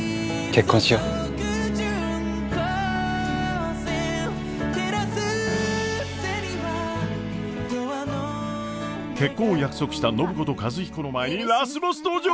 結婚を約束した暢子と和彦の前にラスボス登場！？